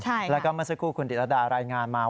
ใช่ค่ะแล้วก็เมื่อสักครู่คุณเดรดาด้ารายงานมา